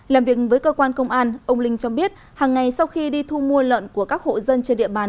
làm việc với cơ quan công an ông linh cho biết hàng ngày sau khi đi thu mua lợn của các hộ dân trên địa bàn